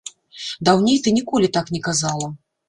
Даўней ты ніколі так не казала.